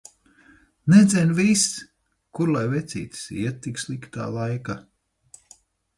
Nedzen vis! Kur lai vecītis iet tik sliktā laika.